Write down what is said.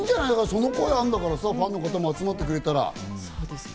その声あるんだからさ、ファンの方も集まってくれたらさ。